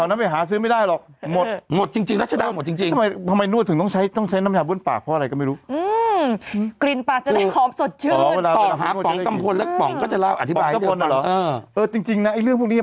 อาบน้ำไงล่ะโรนไงโรนไงอาบน้ำอะไรอย่างเงี้ย